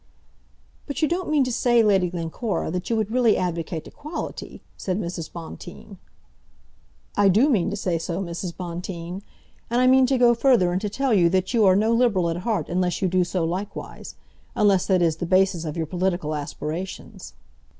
"But you don't mean to say, Lady Glencora, that you would really advocate equality?" said Mrs. Bonteen. "I do mean to say so, Mrs. Bonteen. And I mean to go further, and to tell you that you are no Liberal at heart unless you do so likewise; unless that is the basis of your political aspirations."